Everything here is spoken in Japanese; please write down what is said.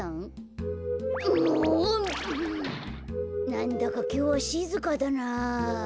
なんだかきょうはしずかだなあ。